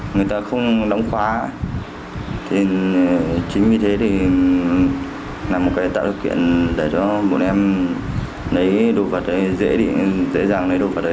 người ta không đóng khóa chính vì thế làm một tạo lực kiện để cho bọn em lấy đồ vật dễ dàng